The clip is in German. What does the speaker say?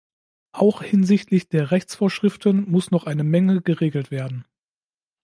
Auch hinsichtlich der Rechtsvorschriften muss noch eine Menge geregelt werden.